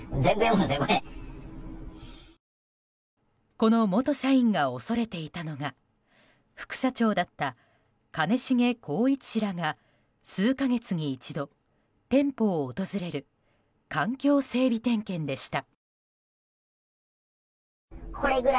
この元社員が恐れていたのが副社長だった兼重宏一氏らが数か月に一度、店舗を訪れる環境整備点検でした。